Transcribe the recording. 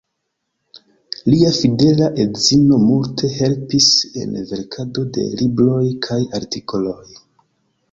Lia fidela edzino multe helpis en verkado de libroj kaj artikoloj.